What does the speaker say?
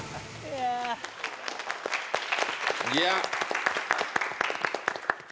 いや。